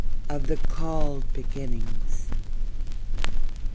Of the cauled beginnings...